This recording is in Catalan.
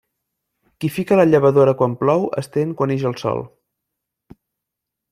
Qui fica la llavadora quan plou, estén quan ix el sol.